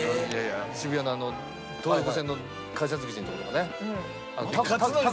渋谷のあの東横線の改札口のとことかね。